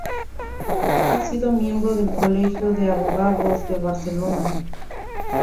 Ha sido miembro del Colegio de Abogados de Barcelona.